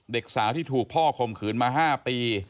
เด็กสาวที่ถูกพ่อข่มขืนมา๕ปี